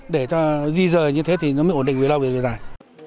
để cho di rời như thế thì nó mới ổn định về lâu về dài